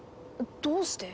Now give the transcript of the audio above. どうして？